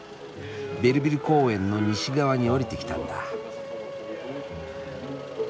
ベルヴィル公園の西側に下りてきたんだ。